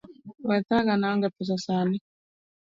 We thaga an aonge pesa sani